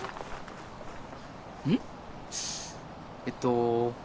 えっと。